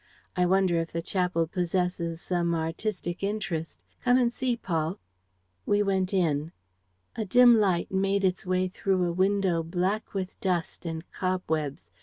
I wonder if the chapel possesses some artistic interest. Come and see, Paul.' ... We went in. A dim light made its way through a window black with dust and cobwebs.